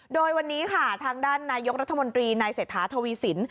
โดยวันนี้ค่ะทางด้านนายกรัฐมนตรีนายเศรษฐาทวีสิน